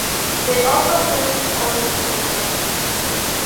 They also threw stones and bottles.